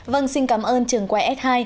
vâng xin cảm ơn trường quay s hai